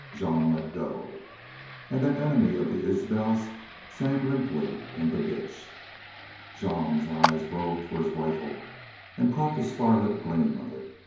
Jean let go. And that enemy of the Isbels sank limply in the ditch. Jean's eyes roved for his rifle and caught the starlit gleam of it.